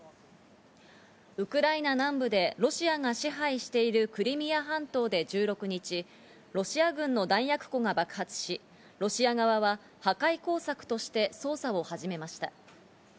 ウクライナ南部でロシアが支配しているクリミア半島で１６日、ロシア軍の弾薬庫が爆発し、ロシア側は破壊工作として捜査を始めました。